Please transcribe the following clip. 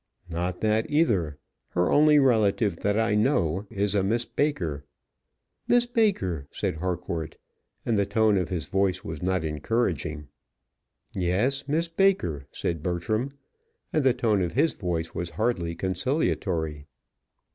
"Not that either. Her only relative, that I know, is a Miss Baker." "Miss Baker!" said Harcourt; and the tone of his voice was not encouraging. "Yes, Miss Baker," said Bertram; and the tone of his voice was hardly conciliatory.